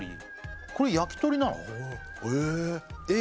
これ焼き鳥なの？